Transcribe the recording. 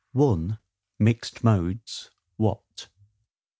Mixed Modes, what.